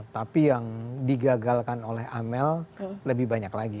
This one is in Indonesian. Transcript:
tapi yang digagalkan oleh amel lebih banyak lagi